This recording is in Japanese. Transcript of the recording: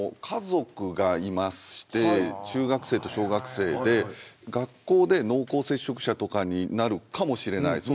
家族がいまして中学生と小学生で学校で濃厚接触者とかになるかもしれない。